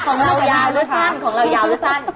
ของเรายาลูซั่นของเรายาลูซั่น